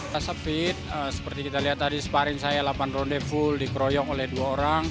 saya fit seperti yang kita lihat tadi sparing saya delapan ronde full dikroyok oleh dua orang